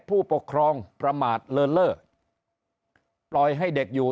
ผู้ปกครองประมาทเลินเล่อปล่อยให้เด็กอยู่